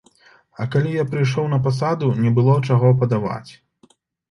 А калі я прыйшоў на пасаду, не было чаго падаваць.